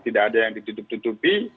tidak ada yang ditutup tutupi